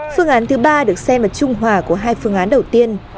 phương án thứ ba được xem ở trung quốc